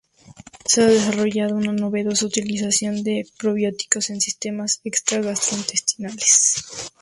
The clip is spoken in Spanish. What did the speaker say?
Se ha desarrollado una novedosa utilización de probióticos en sistemas extra-gastrointestinales.